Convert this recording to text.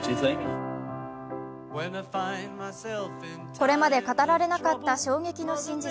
これまで語られなかった衝撃の真実。